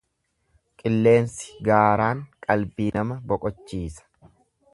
Qilleensi gaaraan qalbii nama boqochiisa.